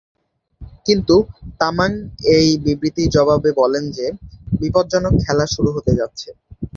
কিন্তু তামাং এই বিবৃতির জবাবে বলেন যে "বিপজ্জনক খেলা শুরু হতে যাচ্ছে"।